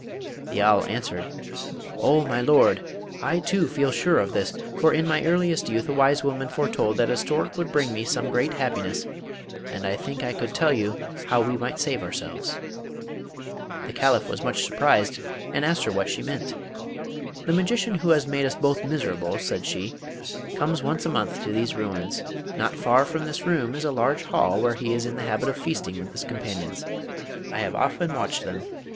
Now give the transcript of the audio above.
The owl answered: 'Oh, my Lord! I too feel sure of this, for in my earliest youth a wise woman foretold that a stork would bring me some great happiness, and I think I could tell you how we might save ourselves.' The Caliph was much surprised, and asked her what she meant. 'The Magician who has made us both miserable,' said she, 'comes once a month to these ruins. Not far from this room is a large hall where he is in the habit of feasting with his companions. I have often watched them.